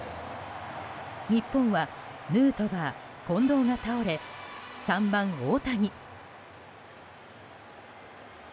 日本はヌートバー、近藤が倒れ３番、大谷。